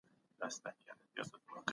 قانون ته غاړه کیږدئ.